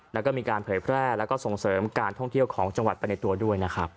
แล้วก็มีการเผยแพร่แล้วก็ส่งเสริมการท่องเที่ยวของจังหวัดไปในตัวด้วยนะครับ